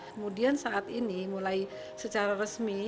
kemudian saat ini mulai secara resmi